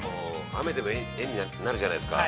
◆雨でも絵になるじゃないですか。